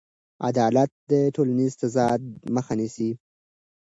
عدالت د ټولنیز تضاد مخه نیسي.